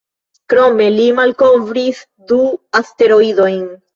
Krome li malkovris du asteroidojn.